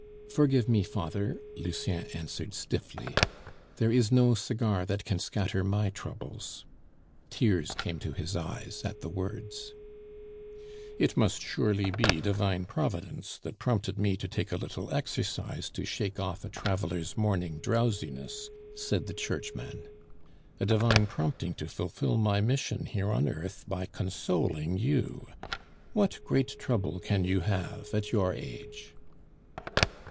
"Forgive me, father" Lucien answered stiffly; "there is no cigar that can scatter my troubles." Tears came to his eyes at the words. "It must surely be Divine Providence that prompted me to take a little exercise to shake off a traveler's morning drowsiness," said the churchman. "A divine prompting to fulfil my mission here on earth by consoling you. What great trouble can you have at your age?"